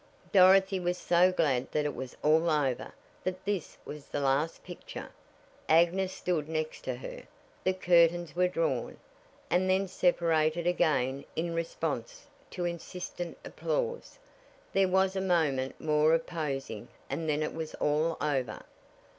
Dorothy was so glad that it was all over that this was the last picture. Agnes stood next to her. The curtains were drawn, and then separated again in response to insistent applause. There was a moment more of posing, and then it was all over.